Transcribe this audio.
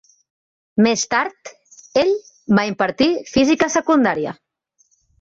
Més tard, ell va impartir física a secundària.